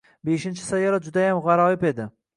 Beshinchi sayyora judayam g‘aroyib edi.